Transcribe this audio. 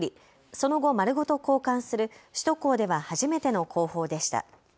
その後、丸ごと交換する首都高では初めての工法でした。